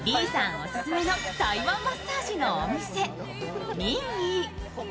オススメの台湾マッサージのお店、ミンイー。